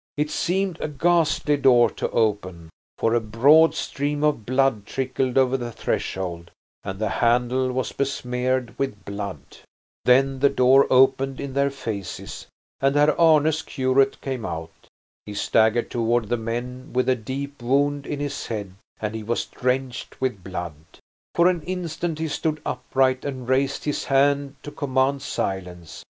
It seemed a ghastly door to open, for a broad stream of blood trickled over the threshold and the handle was besmeared with blood. Then the door opened in their faces and Herr Arne's curate came out. He staggered toward the men with a deep wound in his head, and he was drenched with blood. For an instant he stood upright and raised his hand to command silence.